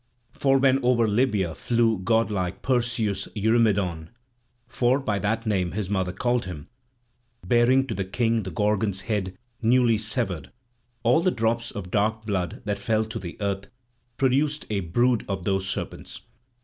For when over Libya flew godlike Perseus Eurymedon for by that name his mother called him—bearing to the king the Gorgon's head newly severed, all the drops of dark blood that fell to the earth, produced a brood of those serpents.